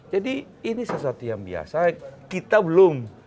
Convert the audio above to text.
jadi ini sesuatu yang biasa kita belum